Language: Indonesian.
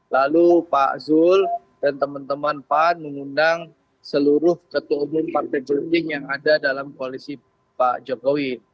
lalu pak zul dan teman teman pan mengundang seluruh ketua umum partai politik yang ada dalam koalisi pak jokowi